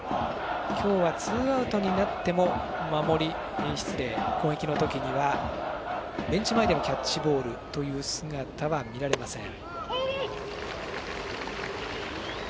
今日はツーアウトになっても攻撃の時にはベンチ前でのキャッチボールという姿は見られません。